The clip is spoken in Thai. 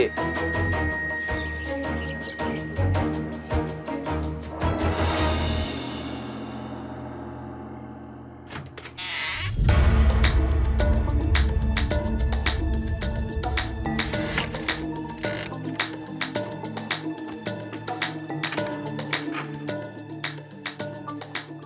พี่ต้ม